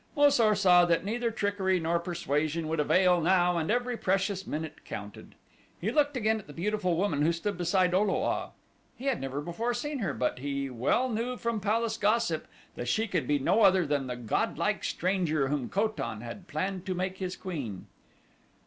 Mo sar saw that neither trickery nor persuasion would avail now and every precious minute counted. He looked again at the beautiful woman who stood beside O lo a. He had never before seen her but he well knew from palace gossip that she could be no other than the godlike stranger whom Ko tan had planned to make his queen.